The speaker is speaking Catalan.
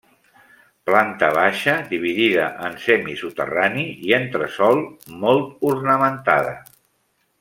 Planta baixa, dividida en semisoterrani i entresòl, molt ornamentada.